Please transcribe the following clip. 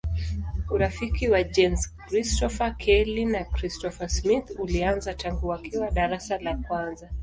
Urafiki wa James Christopher Kelly na Christopher Smith ulianza tangu wakiwa darasa la kwanza.